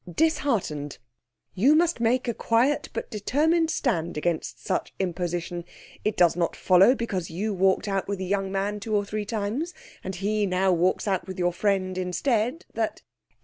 'Disheartened. You must make a quiet but determined stand against such imposition. It does not follow because you walked out with a young man two or three times, and he now walks out with your friend instead, that